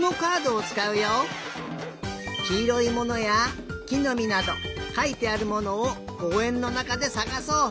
「きいろいもの」や「きのみ」などかいてあるものをこうえんのなかでさがそう！